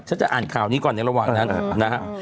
ฉันจะอ่านข่าวนี้ก่อนระหว่างนั้นน่ะ